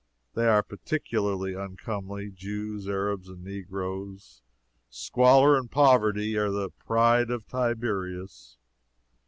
They are particularly uncomely Jews, Arabs, and negroes. Squalor and poverty are the pride of Tiberias.